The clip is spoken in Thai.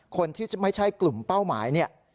คนที่จะไม่ใช่กลุ่มเป้าหมายเนี่ย